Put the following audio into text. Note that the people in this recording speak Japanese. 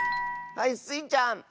はいスイちゃん！